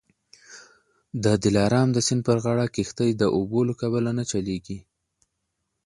د دلارام د سیند پر غاړه کښتۍ د اوبو له کبله نه چلیږي